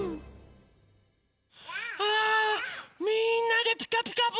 あみんなで「ピカピカブ！」